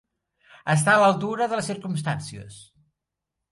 Estar a l'altura de les circumstàncies.